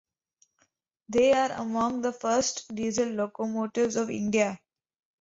They are among the first diesel locomotives of India.